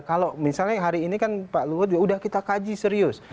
kalau misalnya hari ini kan pak luhut sudah kita kaji serius